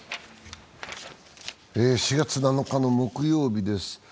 ４月７にの木曜日です。